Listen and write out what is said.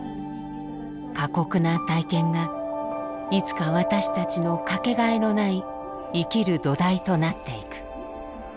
過酷な体験がいつか私たちの掛けがえのない「生きる土台」となっていく。